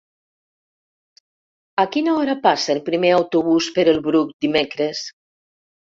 A quina hora passa el primer autobús per el Bruc dimecres?